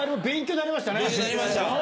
勉強になりました。